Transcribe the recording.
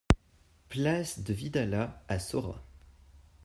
Place de Vidalat à Saurat